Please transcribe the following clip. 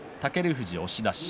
富士、押し出し。